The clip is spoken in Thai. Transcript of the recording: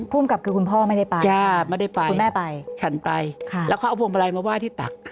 ภูมิกับคือคุณพ่อไม่ได้ไปคุณแม่ไปใช่ไม่ได้ไปฉันไปแล้วเขาเอาพวงบรายมาไหว้ที่ตัก